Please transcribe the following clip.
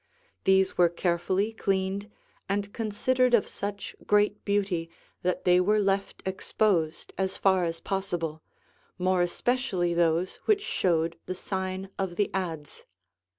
These were carefully cleaned and considered of such great beauty that they were left exposed as far as possible, more especially those which showed the sign of the adze.